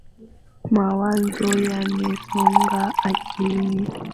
Mawazo yamemsonga akilini